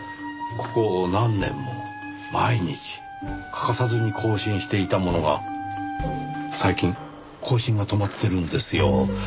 ここ何年も毎日欠かさずに更新していたものが最近更新が止まってるんですよ。